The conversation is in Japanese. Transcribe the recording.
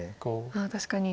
ああ確かに。